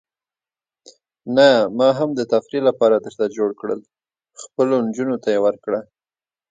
نه، ما هم د تفریح لپاره درته جوړ کړل، خپلو نجونو ته یې ورکړه.